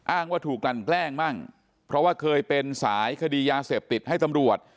ว่าถูกกลั่นแกล้งมั่งเพราะว่าเคยเป็นสายคดียาเสพติดให้ตำรวจ